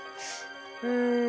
うん。